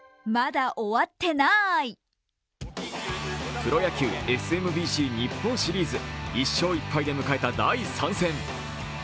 プロ野球ＳＭＢＣ日本シリーズ。１勝１敗で迎えた第３戦。